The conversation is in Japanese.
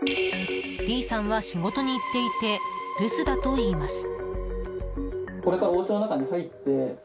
Ｄさんは仕事に行っていて留守だといいます。